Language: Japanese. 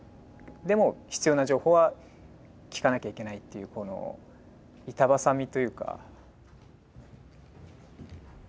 でも必要な情報は聞かなきゃいけないっていうこの板挟みというか。